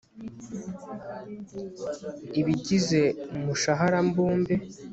ibigize umushahara mbumbe